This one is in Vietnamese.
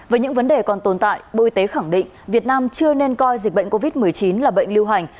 với những vấn đề còn tồn tại bộ y tế khẳng định việt nam chưa nên coi dịch bệnh covid một mươi chín là bệnh lưu hành